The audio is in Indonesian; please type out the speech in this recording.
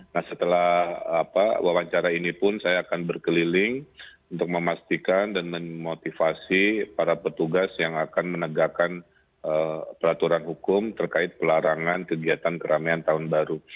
nah setelah wawancara ini pun saya akan berkeliling untuk memastikan dan memotivasi para petugas yang akan menegakkan peraturan hukum terkait pelarangan kegiatan keramaian tahun baru